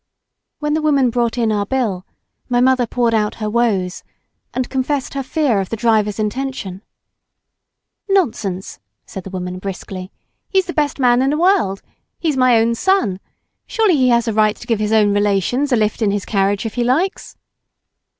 When the woman brought in our bill, my mother poured out her woes, and confessed her fear of the driver's intention. "Nonsense," said the woman briskly, " he's the best man in the world—he's my own son! Surely he has a right to give his own relations a lift in his carriage if he likes!"